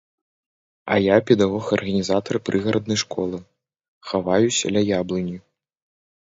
А я, педагог-арганізатар прыгараднай школы, хаваюся ля яблыні.